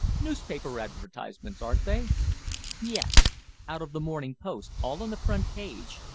"Newspaper advertisements, aren't they?" "Yes, out of the Morning Post, all on the front page.